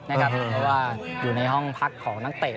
เพราะว่าอยู่ในห้องพักของนักเตะ